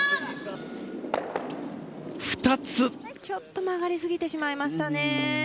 ちょっと曲がりすぎてしまいましたね。